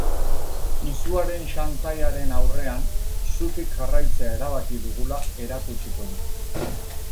Izuaren xantaiaren aurrean, zutik jarraitzea erabaki dugula erakutsiko du.